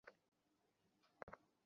সেই যে মধু অধিকারী সাজত।